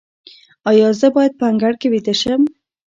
ایا زه باید په انګړ کې ویده شم؟